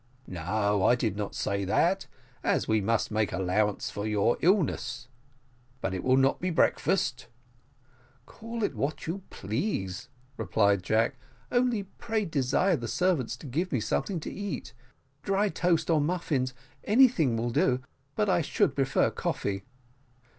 "No, I do not say that, as we must make allowances for your illness; but it will not be breakfast." "Call it what you please," replied Jack. "Only pray desire the servants to give me something to eat. Dry toast or muffins anything will do, but I should prefer coffee."